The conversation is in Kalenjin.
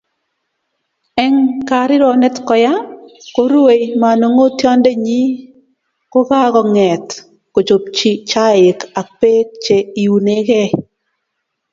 Eng karironet koya, koruei manongotiondenyi, kokakonget kochobchi chaik ak Bek che iunegei